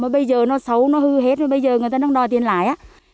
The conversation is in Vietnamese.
bây giờ nó xấu nó hư hết bây giờ người ta đang đòi tiền lại